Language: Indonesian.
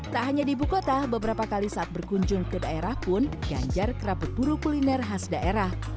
tak hanya di ibu kota beberapa kali saat berkunjung ke daerah pun ganjar kerap berburu kuliner khas daerah